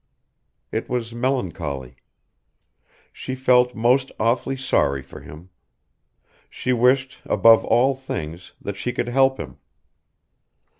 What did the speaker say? It was melancholy. She felt most awfully sorry for him. She wished, above all things, that she could help him.